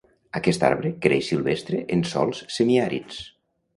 Aquest arbre creix silvestre en sòls semiàrids.